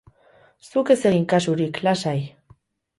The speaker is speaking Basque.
Zuk ez egin kasurik, lasai.